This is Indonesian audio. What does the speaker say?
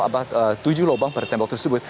apa tujuh lubang pada tembok tersebut